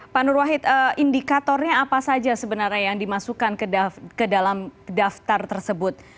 pak nur wahid indikatornya apa saja sebenarnya yang dimasukkan ke dalam daftar tersebut